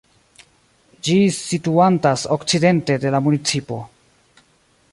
Ĝi situantas okcidente de la municipo.